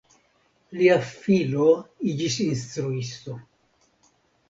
Lia filo iĝis instruisto.